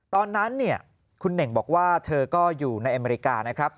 ตอนนั้นเนี่ยคุณเน่งบอกว่าเธอก็อยู่ในอเมริกานะครับ